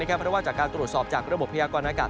เพราะว่าจากการตรวจสอบจากระบบพยากรณากาศ